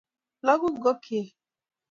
laku ngokyet